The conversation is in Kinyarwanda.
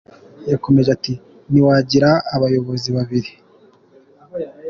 Yakomeje ati Ntiwagira abayobozi babiri.